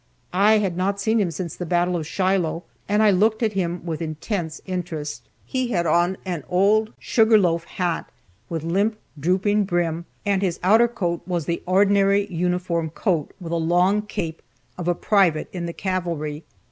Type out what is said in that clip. I had not seen him since the battle of Shiloh and I looked at him with intense interest. He had on an old "sugar loaf" hat, with limp, drooping brim, and his outer coat was the ordinary uniform coat, with a long cape, of a private in the cavalry.